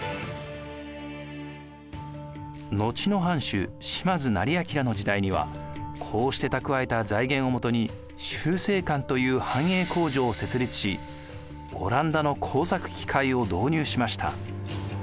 後の藩主島津斉彬の時代にはこうして蓄えた財源をもとに集成館という藩営工場を設立しオランダの工作機械を導入しました。